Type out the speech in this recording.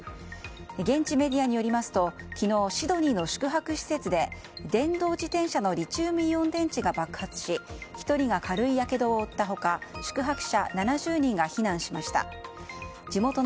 現地メディアによりますと昨日、シドニーの宿泊施設で電動自転車のリチウムイオン電池が爆発し１人が軽いやけどを負った他何これ⁉「泡パック」？